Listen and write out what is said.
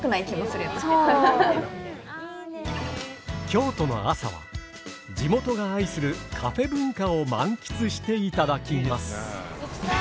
京都の朝は地元が愛するカフェ文化を満喫していただきます。